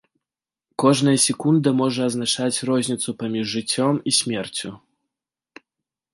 Кожная секунда можа азначаць розніцу паміж жыццём і смерцю.